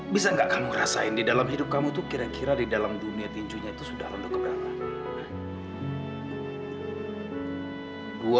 bisa gak kamu rasain di dalam hidup kamu tuh kira kira di dalam dunia tinjunya itu sudah lenduk keberangkatan